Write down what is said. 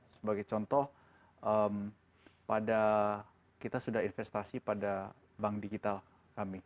sebagai contoh pada kita sudah investasi pada bank digital kami